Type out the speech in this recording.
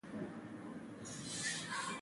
ممکن ځينې کسان دا هم ووايي.